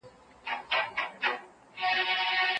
دا واقعه موږ ته ښیي چې اخلاق تر قدرت ډېر مهم دي.